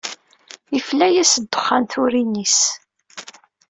Ifla-yas ddexxan turin-is.